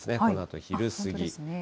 このあと昼過ぎ。